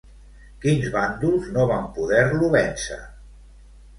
Quins bàndols no van poder-lo vèncer?